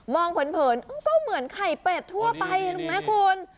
เผินก็เหมือนไข่เป็ดทั่วไปรู้ไหมคุณ